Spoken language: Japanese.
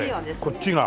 こっちが。